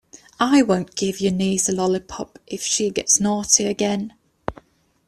I won't give your niece a lollipop if she gets naughty again.